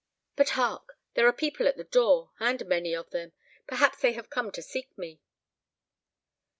But hark! there are people at the door, and many of them. Perhaps they have come to seek me."